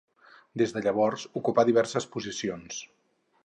Des de llavors, ocupà diverses posicions.